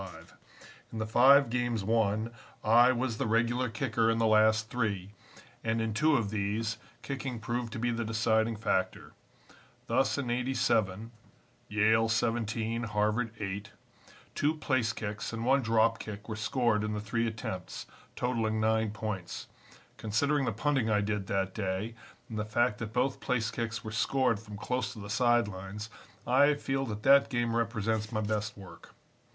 In the five games won I was the regular kicker in the last three, and, in two of these, kicking proved to be the deciding factor. Thus in '87 Yale 17, Harvard 8 two place kicks and one drop kick were scored in the three attempts, totaling nine points. Considering the punting I did that day, and the fact that both place kicks were scored from close to the side lines, I feel that that game represents my best work.